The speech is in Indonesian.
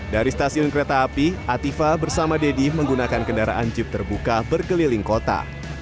dari stasiun kereta api atifa bersama deddy menggunakan kendaraan jeep terbuka berkeliling kota